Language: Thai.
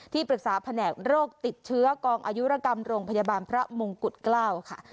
ปรึกษาแผนกโรคติดเชื้อกองอายุรกรรมโรงพยาบาลพระมงกุฎเกล้าค่ะ